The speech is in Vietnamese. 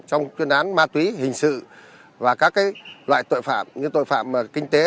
trong chuyên án ma túy hình sự và các loại tội phạm như tội phạm kinh tế